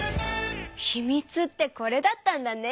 秘密ってこれだったんだね！